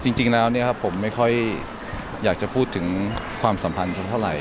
คือจริงแล้วเนี่ยครับผมไม่ค่อยอยากจะพูดถึงความสัมพันธ์เท่าไหร่